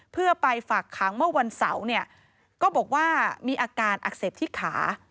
เพื่อไปฝากขังเมื่อวันเสาร์เนี่ยก็บอกว่ามีอาการอักเสบที่ขา